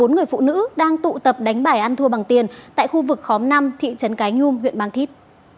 bốn người phụ nữ đang tụ tập đánh bài ăn thua bằng tiền tại khu vực khóm năm thị trấn cái nhung huyện mang thít